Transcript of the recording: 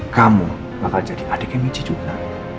kamu bakal jadi adiknya miji juga